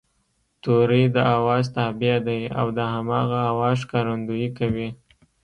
توری د آواز تابع دی او د هماغه آواز ښکارندويي کوي